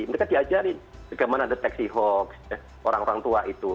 mereka diajarin bagaimana deteksi hoax orang orang tua itu